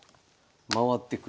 回ってくる。